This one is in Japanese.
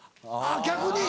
あっ逆に。